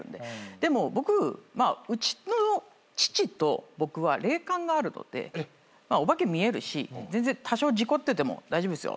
でも僕まあうちの父と僕は霊感があるのでお化け見えるし多少事故ってても大丈夫ですよって言って。